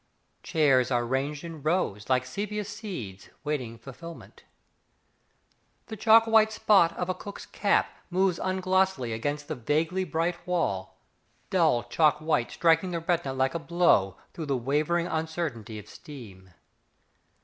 Chairs are ranged in rows Like sepia seeds Waiting fulfilment. The chalk white spot of a cook's cap Moves unglossily against the vaguely bright wall Dull chalk white striking the retina like a blow Through the wavering uncertainty of steam.